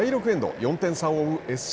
４点差を追うＳＣ